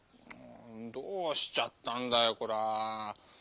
どうしちゃったんだよこら。